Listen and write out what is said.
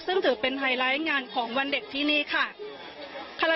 ซึ่งถือเป็นไฮไลท์งานของวันเด็กที่นี่ค่ะ